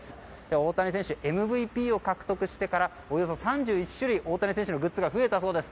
大谷選手がＭＶＰを獲得してからおよそ３１種類、グッズが増えたそうです。